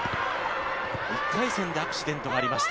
１回戦でアクシデントがありました。